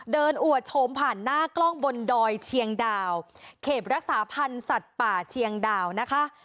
อวดโฉมผ่านหน้ากล้องบนดอยเชียงดาวเขตรักษาพันธ์สัตว์ป่าเชียงดาวนะคะ